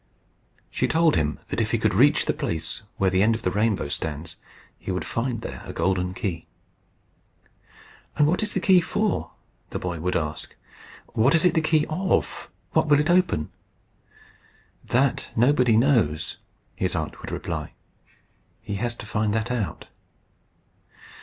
She told him that if he could reach the place where the end of the rainbow stands he would find there a golden key. "And what is the key for?" the boy would ask. "What is it the key of? What will it open?" "That nobody knows," his aunt would reply. "He has to find that out."